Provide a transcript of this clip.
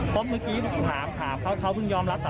ผมเมื่อกี้ถึงถามค่ะเขาเพิ่งยอมรักษา